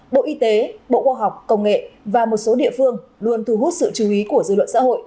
bộ y tế bộ khoa học công nghệ và một số địa phương luôn thu hút sự chú ý của dư luận xã hội